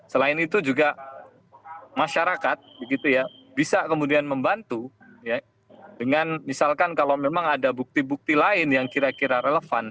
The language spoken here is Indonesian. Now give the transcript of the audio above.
selain itu juga masyarakat bisa kemudian membantu dengan misalkan kalau memang ada bukti bukti lain yang kira kira relevan